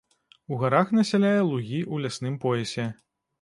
У гарах насяляе лугі ў лясным поясе.